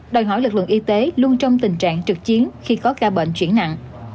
đòi hỏi lực lượng y tế luôn trong tình trạng trực chiến khi có ca bệnh chuyển nặng